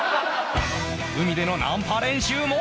海でのナンパ練習も